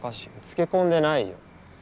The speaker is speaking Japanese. つけこんでないよ。